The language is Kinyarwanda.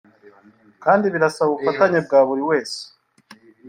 kandi birasaba ubufatanye bwa buri wese”